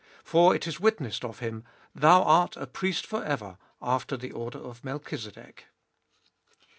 17. For it is witnessed of him, Thou art a priest for ever After the order of Melchizedek.